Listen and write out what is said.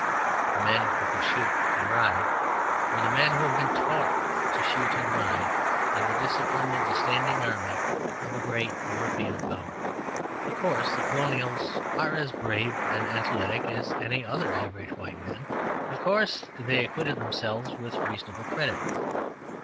The men who could shoot and ride were the men who had been taught to shoot and ride in the discipline of the standing army of a great European power. Of course, the colonials are as brave and athletic as any other average white men. Of course, they acquitted themselves with reasonable credit.